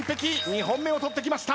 ２本目を取ってきました。